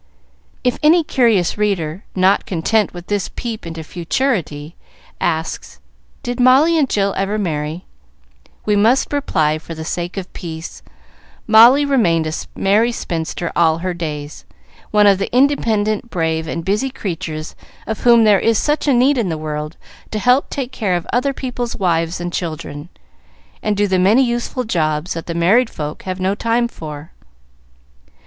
If any curious reader, not content with this peep into futurity, asks, "Did Molly and Jill ever marry?" we must reply, for the sake of peace Molly remained a merry spinster all her days, one of the independent, brave, and busy creatures of whom there is such need in the world to help take care of other peoples' wives and children, and do the many useful jobs that the married folk have no time for.